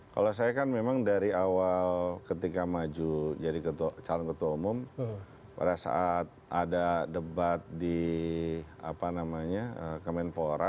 kalau saya kan memang dari awal ketika maju jadi calon ketua umum pada saat ada debat di kemenpora